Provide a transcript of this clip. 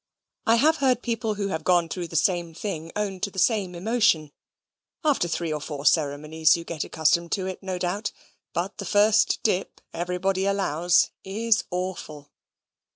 I have heard people who have gone through the same thing own to the same emotion. After three or four ceremonies, you get accustomed to it, no doubt; but the first dip, everybody allows, is awful.